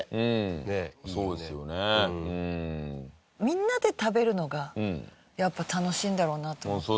みんなで食べるのがやっぱ楽しいんだろうなと思って。